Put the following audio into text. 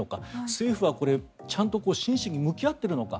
政府はちゃんと真摯に向き合っているのか。